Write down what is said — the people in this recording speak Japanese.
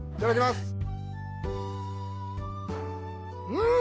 うん！